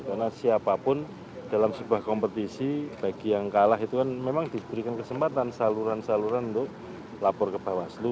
karena siapapun dalam sebuah kompetisi bagi yang kalah itu kan memang diberikan kesempatan saluran saluran untuk lapor ke bawah selu